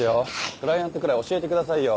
クライアントくらい教えてくださいよ。